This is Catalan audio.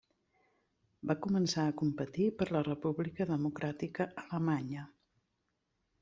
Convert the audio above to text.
Va començar a competir per la República Democràtica Alemanya.